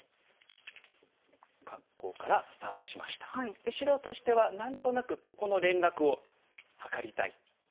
で白としては何となくここの連絡を図りたい。